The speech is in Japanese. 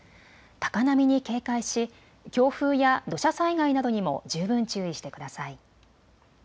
高波に警戒し強風や土砂災害などにも十分注意してください。